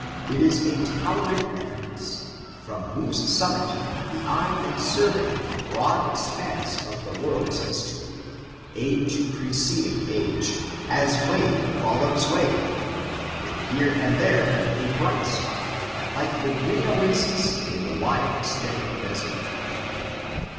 It is a towering eminence, from whose simunit the eye may survey the broad expanse of the world's history; age preceding age, as wave follows wave, with here and there a bright spot, like the green oasis in the wide extended desert.